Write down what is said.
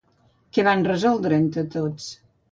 Què van resoldre entre tots?